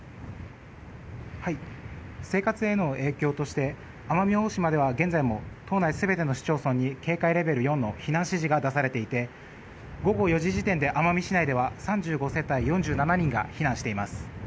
生活への影響として奄美大島では現在島内全ての市町村に警戒レベル４の避難指示が出されていて午後４時時点で奄美市内では３５世帯４７人が避難しています。